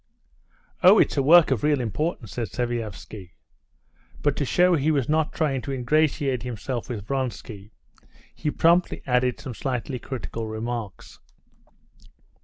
"Oh, it's a work of real importance!" said Sviazhsky. But to show he was not trying to ingratiate himself with Vronsky, he promptly added some slightly critical remarks.